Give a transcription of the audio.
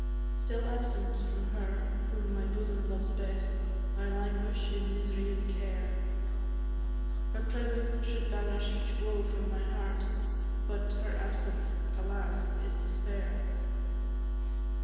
Still absent from her whom my bosom loves best, I languish in mis'ry and care; Her presence could banish each woe from my heart, But her absence, alas! is despair.